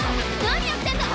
何やってんだ！